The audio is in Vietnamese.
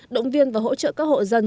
động viên và hỗ trợ các hộ dân